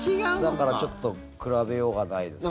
だから、ちょっと比べようがないですけどね。